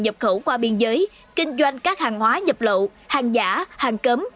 nhập khẩu qua biên giới kinh doanh các hàng hóa nhập lậu hàng giả hàng cấm